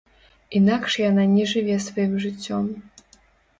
Інакш яна не жыве сваім жыццём.